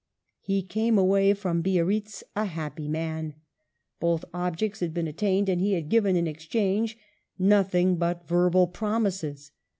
He came away from Biarritz a happy man ; both objects had been attained and he had given in exchange nothing but verbal promises.